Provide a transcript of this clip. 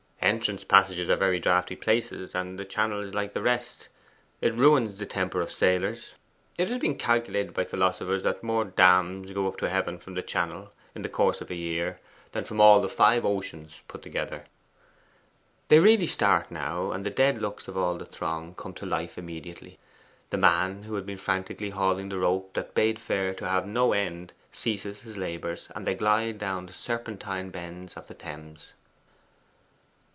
'Entrance passages are very draughty places, and the Channel is like the rest. It ruins the temper of sailors. It has been calculated by philosophers that more damns go up to heaven from the Channel, in the course of a year, than from all the five oceans put together.' They really start now, and the dead looks of all the throng come to life immediately. The man who has been frantically hauling in a rope that bade fair to have no end ceases his labours, and they glide down the serpentine bends of the Thames.